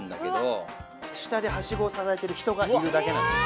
下ではしごをささえている人がいるだけなんだよ。